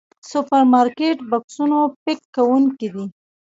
سوپرمارکېټ بکسونو پيک کوونکي دي.